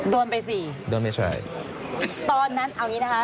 โดนไปสิโดนไม่ใช่ตอนนั้นเอาอย่างงี้นะคะ